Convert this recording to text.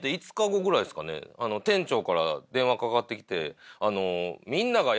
から電話かかってきて。